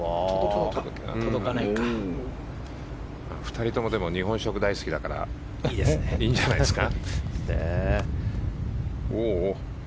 ２人とも日本食が大好きだからいいんじゃないですか。